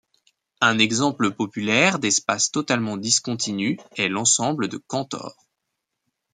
Un exemple populaire d'espace totalement discontinu est l'ensemble de Cantor.